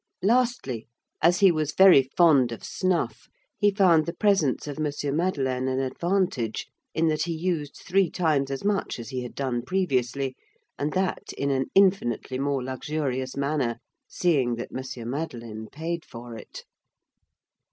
Lastly, as he was very fond of snuff, he found the presence of M. Madeleine an advantage, in that he used three times as much as he had done previously, and that in an infinitely more luxurious manner, seeing that M. Madeleine paid for it.